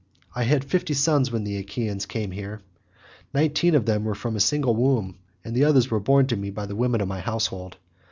I had fifty sons when the Achaeans came here; nineteen of them were from a single womb, and the others were borne to me by the women of my household.